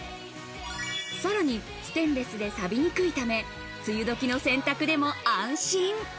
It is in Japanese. さらに、ステンレスで錆びにくいため、梅雨時の洗濯でも安心。